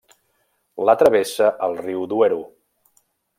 La travessa el riu Duero.